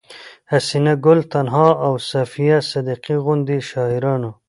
حسينه ګل تنها او صفيه صديقي غوندې شاعرانو